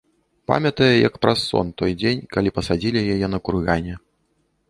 Памятае, як праз сон, той дзень, калі пасадзілі яе на кургане.